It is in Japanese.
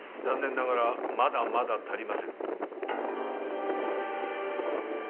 残念ながらまだまだ足りませぬ。